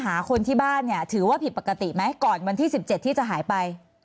หาคนที่บ้านเนี่ยถือว่าผิดปกติไหมก่อนวันที่๑๗ที่จะหายไป